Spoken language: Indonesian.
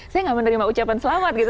saya nggak menerima ucapan selamat gitu